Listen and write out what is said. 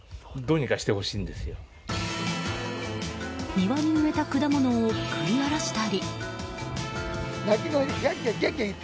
庭に植えた果物を食い荒らしたり。